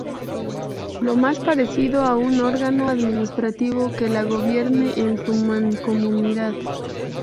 Lo más parecido a un órgano administrativo que la gobierne es su mancomunidad.